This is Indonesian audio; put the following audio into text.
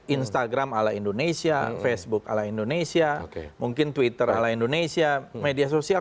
instagram ala indonesia facebook ala indonesia mungkin twitter ala indonesia media sosial